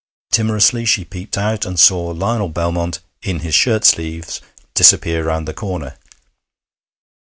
Timorously she peeped out, and saw Lionel Belmont, in his shirt sleeves, disappear round the corner.